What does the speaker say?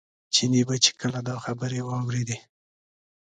چیني به چې کله دا خبرې واورېدې.